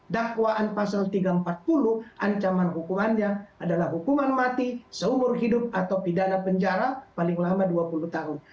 dakwaan pasal tiga ratus empat puluh ancaman hukumannya adalah hukuman mati seumur hidup atau pidana penjara paling lama dua puluh tahun